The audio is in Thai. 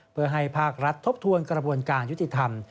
เพื่อให้ภาครัฐทบทวนกระบวนการยุติธรรม